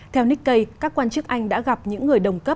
theo nikkei các quan chức anh đã gặp những người đồng cấp